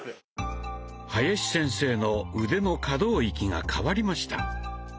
林先生の腕の可動域が変わりました。